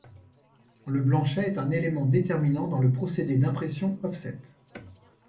Le blanchet est un élément déterminant dans le procédé d'impression offset.